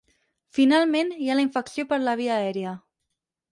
Finalment, hi ha la infecció per la via aèria.